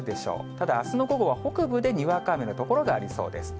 ただあすの午後は北部でにわか雨の所がありそうです。